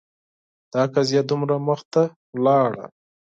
دا قضیه دومره مخته لاړه